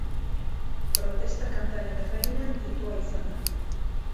Protesta-kantaren erregina deitua izan da.